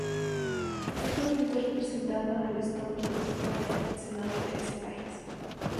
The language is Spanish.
Actualmente representada al estado de Utah en el Senado de ese país.